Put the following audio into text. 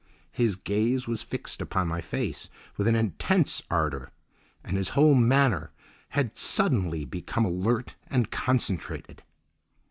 His gaze was fixed upon my face with an intense ardour, and his whole manner had suddenly become alert and concentrated.